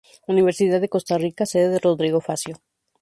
Universidad de Costa Rica, Sede Rodrigo Facio.